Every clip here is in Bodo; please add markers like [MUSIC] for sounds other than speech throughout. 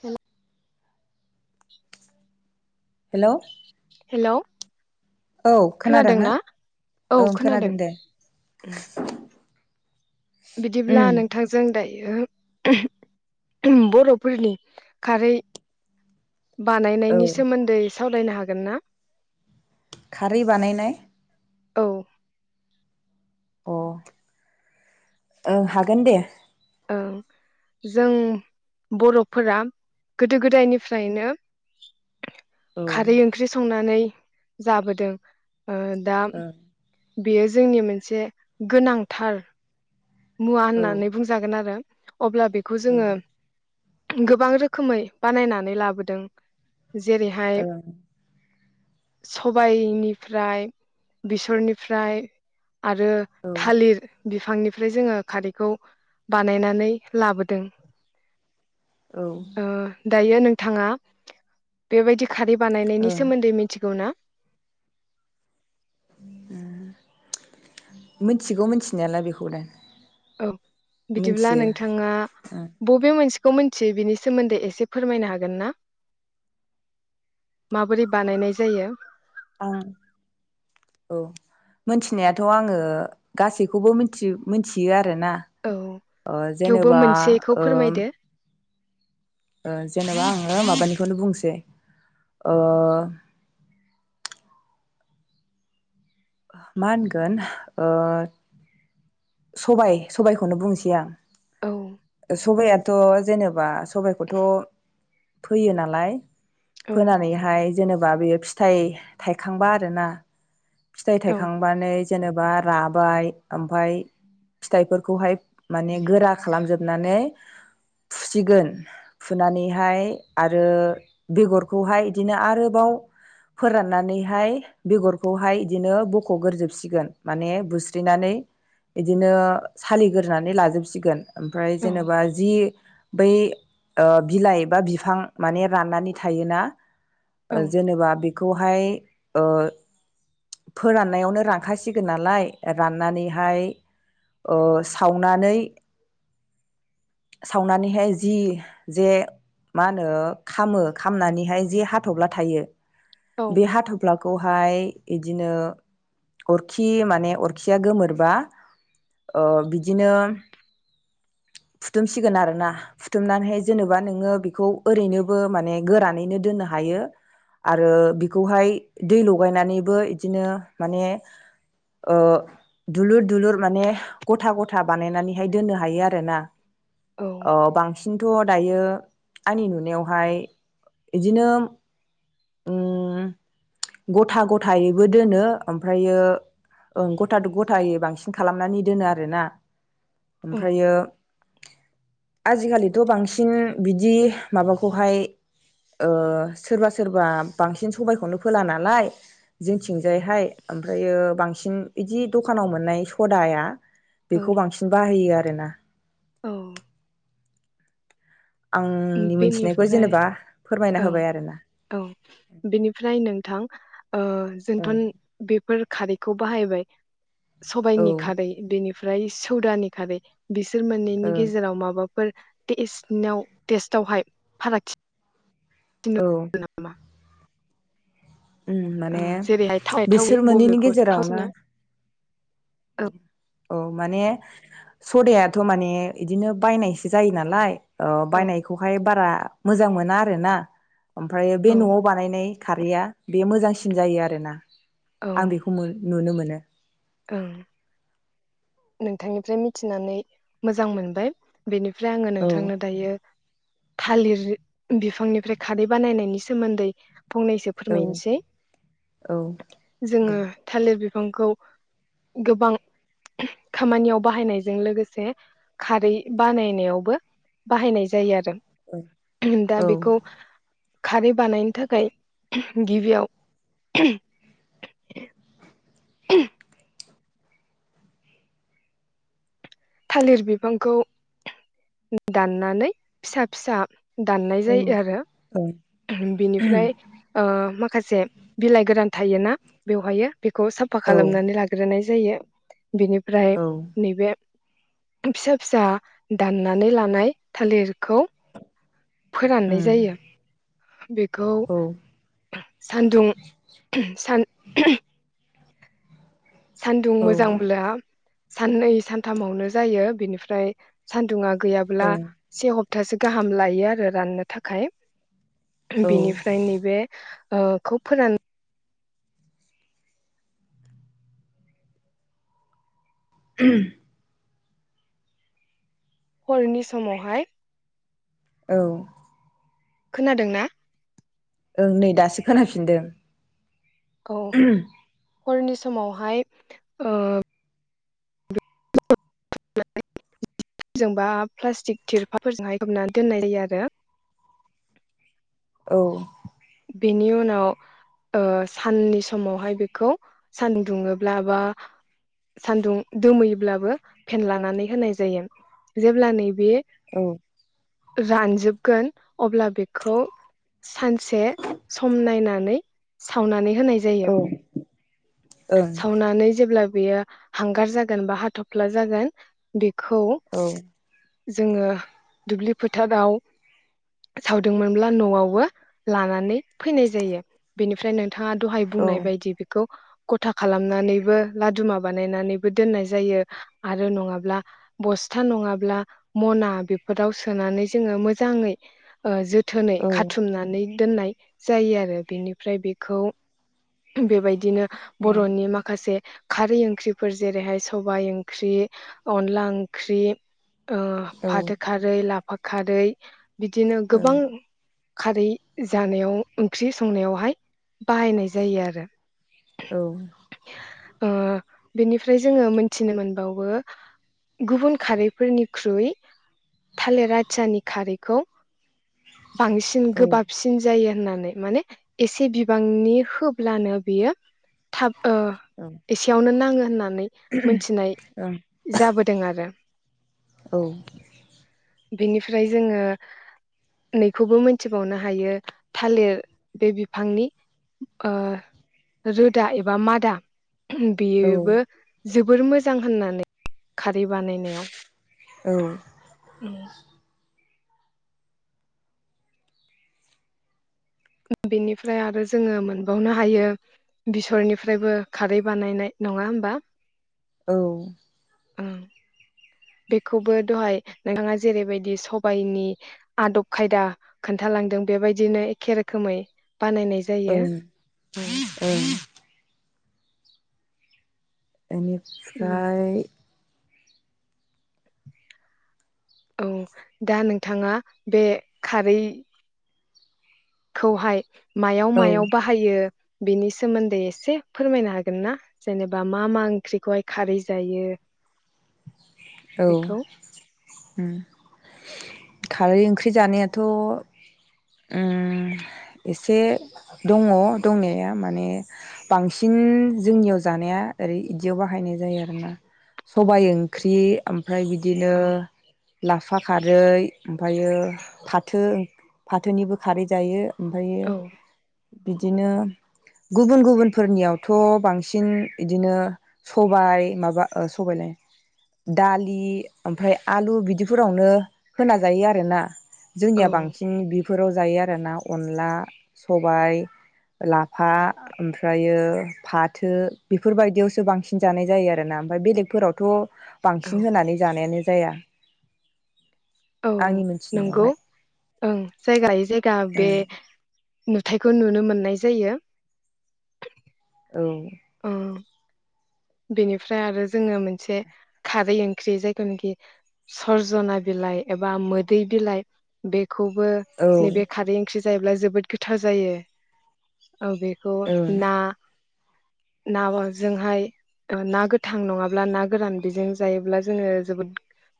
हेल' हेलौ [INAUDIBLE] हेल' औ खोनादोंना? ओं खोनादों दे। बिदिब्ला उम नोंथांजों दाय बियो बर'फोरनि खारै औ बानायनायनि सोमोन्दै सावरायनो हागोन ना? खारै बानायनाय। औ अ ओं हागोन दे। ओं जों बर'फोरा गोदो गोदायनिफ्रायनो। औ खारै ओं ओंख्रि संनानै। जाबोदों ओ दा। औ बेयो जोंनि मोनसे गोनांथार। मुवा ओं होननानै बुंजागोन आरो। अब्ला बेखौ ओं जोङो गोबां रोखोमै बानायनानै लाबोदों। जेरैहाय औ सबायाइनिफ्राय, बेसरनिफ्राय। आरो थालिर। बिफांनि फ्राय जोङो खारैखौ बानायनानै लाबोदों। औ ओ दायो नों थाङा बेबायदि खारै बानायनायनि ओं सोमोन्दै मिथिगौ ना? ओम मिथिगौ मिथिनायालाय बेखौ दा। औ बिदिब्ला नोंथाङा ओं बबे मोनसे खौ मिनथियो बिनि सोमोन्दै एसे फोरमायनो हागोन ना? माबोरै बानायनाय जायो? आं औ मोनथिनायाथ' आङो गासैखौबो मिनथि मिथियो आरो। आरोना औ ओ थेवबो जेनेबा मोनसेखौ ओ फोरमायदो ओ जेनेबा आङो माबानिखौनो बुंनिसै ओ मा होनगोन ओ सबाय सबायखौनो बुंनोसै आं। औ सबायाथ' जेनेबा सबायाइखौथ' फोयो नालाय औ फोनानैहाय जेनेबा बेयो फिथाइ थाइखांबा आरोना फिथायाइ औ थायखांबानो जेनेबा राबाय ओमफाय फिथाइफोरखौहाय माने गोरा खालामजोबनानै फुसिगोन फुनानैहाय आरो बेगरखौहाय इदिनो आरोबाव फोराननानैहाय बेगरखौहाय इदिनो बख'ग्रोजोबसिगोन माने बुस्रिनानै गदिनो सालिग्रोनानै लाजोबसिगोन। ओमफ्राय औ जेनेबा जि बै ओ बिलाइ बा बिफां माने राननानै थायोना औ ओ जेनेबा बेखौहाय ओ फोराननायावनो रानखासिगोन नालाय राननानैहाय ओ सावनानै सावनानैहाय जि जे मा होनो खामो खामनानैहाय जि हाथफ्ला थायो बे हाथ'फ्ला खौहाय इदिनो अरखि माने अरखिया गोमोरबा ओ बिदिनो फुथुमसिगोन आरोना फुथुमनानैहाय जेन'बा नोङो बेखौ ओरैनोबो माने गोरानैनो दोननो हायो आरो बिखौहाय दै लगायनानैबो इदिनो माने ओ दुलुर दुलुर माने गथा गथा बानायनानैहाय दोननो हायो आरोना। औ अ बांसिन थ' दायो आंनि नुनायावहाय इदिनो ओम गथा गथायैबो दोनो ओमफायो ओं गथा गथायै बांसिन खालामनानै दोनो आरोना। औ ओमफ्रायो आजिखालिथ' बांसिन बिदि माबाखौहाय ओ सोरबा सोरबा बांसिन सबबायखौनो फोला नालाय जोंथिंजाय हाय ओमफ्रायो बांसिन इदि दखानाव मोन्नाय स खदाया बेखौ बांसिन बाहायो आरोना। औ आंनि मोनथिनायखौ बेनिफ्राय जेनेबा फोरमायना औ होबाय आरोना औ बेनिफ्राय नोंथां ओ जोंथ' ओं बेफोर खारै खौ बाहायबाय। औ सबाइनि खारै बेनि ओमफ्राय सौदानि खारै बिसोर मोननैनि ओं गेजेराव माबा फोर [UNINTELLIGIBLE] टेस्टावहाय फारागथि औ [INAUDIBLE] ओम ओ माने जेरैहाय थावै थावै बिसोर मोननैनि बबेखौ गेजेराव थावसिनो ना? औ औ माने सदायाथ' माने बिदिनो बायनायसो जायो नालाय अ औ बायनायखौहाय बारा मोजां मोना आरो ना ओमफ्रायो बे औ न'आव बानायनाय खारैया बे मोजांसिन जायो आरोना औ आं बेखौ नुनो मोनो [UNINTELLIGIBLE] ओं नोंथांनिफ्राय मिथिनानै मोजां मोनबाय बेनिफ्राय आंङो औ नोंथांनो दायो थालिर बिफांनिफ्राय खारै बानायनायनि सोमोन्दै फंनैसो औ फोरमायनोसै औ जोंङो दे थालिर बि फांखौ गोबां खामानियाव बाहायनायजों लोगोसे खारै बानायनायावबो बाहायनाय जायो आरो। औ दा औ बेखौ खारै बानायनो थाखाय गिबियाव थालिर बिफांखौ दाननानै फिसा-फिसा दाननाय औ जायो आरो औ बेनिफ्राय ओ मा खासे बिलाइ गोरान थायोना बेवहायो बेखौ साफा औ खालामनानै लाग्रोनाय जायो बिनिफ्राय औ नैबे फिसा-फिसा दाननानै लानाय थालिरखौ फोराननाय उम जायो बेखौ औ सान्दुं सान सान्दुं ओ मोजांब्ला साननै सानथामावनो जायो बिनिफ्राय सान्दुंङा गैयाब्ला औ से हब हाबथासे गाहाम लायो आरो राननो थाखाय बिनिफ्राय नैबे ओ खौ फोरान [INAUDIBLE] हरनि समावहाय औ खोनादों ना ओं नै दासो खोनाफिनदों औ [INAUDIBLE] हरनि समावहाय ओ [UNINTELLIGIBLE] जों बा प्लास्टिक थिरफाल फोरजोंहाय खोबनानै दोननाय जायो आरो औ बेनि उनाव ओ साननि समावहाय बेखौ सानदुं दुङोब्ला बा सानदुं दोमैयोब्लाबो फेनलानानै होनाय जायो जेब्ला नैबे औ रानजोबगोन अब्ला बेखौ सानसे सम नायनानै सावनानै होनाय जायो औ ओं सावनानै जेब्ला बेयो हांगार जागोन बा हाथफ्ला जागोन बे औ जोंङो दुब्लि फोथाराव सावदोंमोनब्ला नआवबो लानानै फैनाय जायो बेनिफ्राय नों थाङा दहाय बुंनाय बायदि बेखौ गथा खालामनानैबो लादुमा बानायनानैबो दोननाय जायो आरो नङाब्ला बस्था नङाब्ला मना बेफोराव सोनानै जोंङो मोजाङै ओ जोथोनै खाथुमनानै दोननाय जायो आरो बेनिफ्राय बेखौ बेबायदिनो बरनि माखासे खारै ओंख्रिफोर जेरैहाय सबाय ओंख्रि अनला ओंख्रि ओ फाथो खारै ला फा खारै बिदिनो गोबां खारै जानायाव ओंख्रि संनायावहाय बाहायनाय जायो आरो औ ओ बेनिफ्राय जोंङो मोनथिनो मोनबावो गुबुन खारै फोरनिख्रुय थालिर आथियानि खारैखौ बांसिन गोबाबसिन जायो होननानै माने एसे बिबांनि होब्लानो बियो थाब ओ एसेयावनो नाङो होनना नै मोनथिनाय जाबोदों आरो औ बेनिफ्राय जोंङो नैखौबो मोनथिबावनो हायो थालिर बे बिफांनि ओ रोदा एबा मादा बेबो जोबोर मोजां होननानै खारै बानायनायाव बेनिफ्राय आरो जोंङो मोनबावनो हायो बेसरनिफ्रायबो खारै बानायनाय नङा होमबा? औ ओं बेखौबो दहाय नोंथाङा जेरैबायदि सबायाइनि आदब खायदा खोन्थालांदों बेबायदिनो एखे रोखोमै बानायनाय जायो ओं इनिफ्राय औ दा नोंथाङा बे खारै खौहाय मायाव औ मायाव बाहायो बिनि सोमोन्दै एसे फोरमायनो हागोन ना जेनेबा मा मा ओंख्रिखौहाय खारै जायो औ बेखौ उम खारै ओंख्रि जानायाथ' ओ एसे दङ दंनाया माने बांसिन जोंनियाव जानाया ओरै बिदियाव बाहायनाय जायो आरोना सबाय ओंख्रि ओमफ्राय बिदिनो औ लाफा खारै ओमफ्रायो फाथो फाथोनिबो खारै जायो ओमफ्रायो औ बिदिनो गुबुन गुबुनफोरनियावथ' बांसिन बिदिनो सबाय माबा सबायलाइ दालि ओमफ्राय आलु बिदिफोरावनो होना जायो आरोना। औ जोंनिया बांसिन बेफोराव जायो आरोना अनला सबाय लाफा ओमफ्रायो फाथो बेफोरबायदियावसो बांसिन जानाय जायो आरोना ओमफ्राय बेलेगफोरावथ' औ बांसिन होनानै जानायानो जाया औ आंनि नंगौ मोनथिनायावहाय ओं जायगा लायै जायगा बे ओं नुथायखौ खौ नुनो मोननाय जायो। औ अ बेनिफ्राय आरो जोङो मोनसे खारै ओंख्रि जायखौनोखि सरजना बिलाइ एबा मोदै बिलाइ बे खौबो औ नैबे खारै ओंख्रि जायोब्ला जोबोद गोथाव जायो। औ बेखौ ओं ना ना जोंहाय। ना गोथां नङाब्ला ना गोरान बिजों जायोब्ला जोङो जोबोद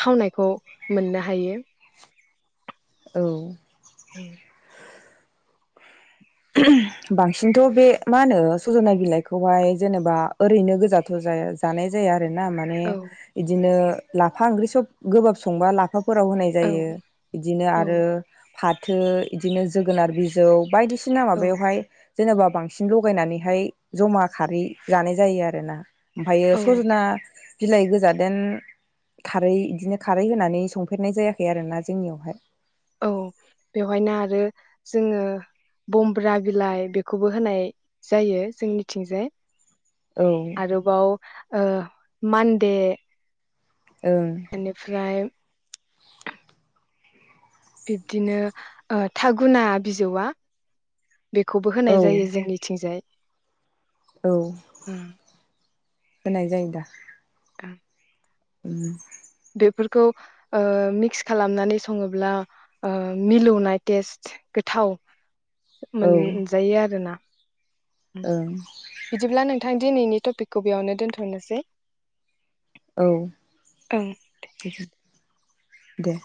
थावनायखौ मोननो हायो। औ औ बांसिनथ' बे मा होनो सजनाय बिलाइखौहाय जेनेबा ओरैनो गोजाथ' जाया जानाय जाया आरोना माने बिदिनो लाफा ओंख्रि सब गोबाब संबा लाफा फोराव होनाय औ जायो, बिदिनो औ आरो फाथो बिदिनो जोगोनार बिजौ बायदिसिना बिना औ माबायावहाय जेनेबा बांसिन लगायनानैहाय, जमा खारै जानाय जायो आरोना। ओमफ्रायो औ सजना बिलाइ गोजादेन, खारै बिदिनो खारै होनानै संफेरनाय जायाखै आरोना, जोंनियावहाय। औ बेवहायनो आरो जोङो बम्ब्रा बिलाइ बेखौबो होनाय जायो जोंनिथिंजाय। औ आरो बाव ओ मानदे ओं इनिफ्राइ बिब्दिनो थागुना बिजौआ बेखौबो औ होनाय जायो जोंनिथिंजाय। औ उम होनाय जायो दा। दां उ बेफोरखौ ओ मिक्स खालामनानै सङोब्ला ओ मिलौनाय तेस् गोथाव। औ मोनजायो आरोना। ओं बिदिब्ला नोंथां। नोंथां दिनैनि टपिकखौ बेयावनो दोनथ'नोसै। औ ओं दे